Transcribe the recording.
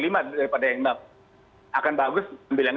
daripada yang enam akan bagus ambil yang enam